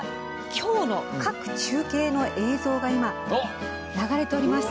今日の各中継の映像が今、流れております。